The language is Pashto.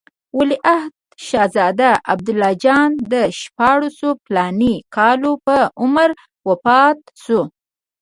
ولیعهد شهزاده عبدالله جان د شپاړسو فلاني کالو په عمر وفات شو.